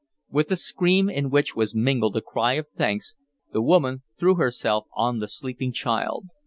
With a scream, in which was mingled a cry of thanks, the woman threw herself on the sleeping child.